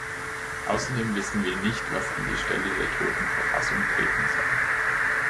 Außerdem wissen wir nicht, was an die Stelle der toten Verfassung treten soll.